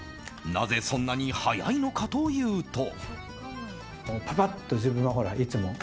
なぜそんなに速いのかというと。